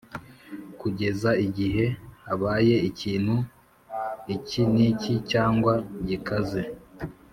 Kugeza igihe habaye ikintu iki n’iki cyangwa gikaze